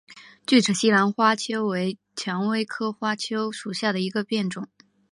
巨齿西南花楸为蔷薇科花楸属下的一个变种。